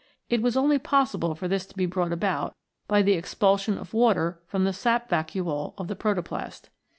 It was only possible for this to be brought about by the expulsion of water from the sap vacuole of the protoplast.